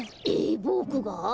えボクが？